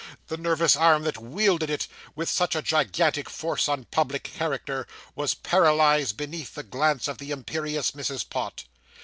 The nervous arm that wielded it, with such a gigantic force on public characters, was paralysed beneath the glance of the imperious Mrs. Pott.